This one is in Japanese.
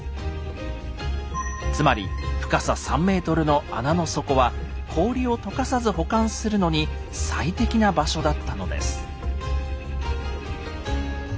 つまり深さ３ｍの穴の底は氷を解かさず保管するのに最適な場所だったのです。